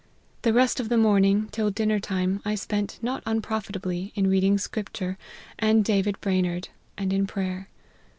The rest of the morning, till dinner time, I spent, not unprofitably, in reading scripture, and David Brainerd, and in prayer.